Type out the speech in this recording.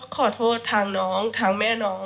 ขอโทษทางน้องทางแม่น้อง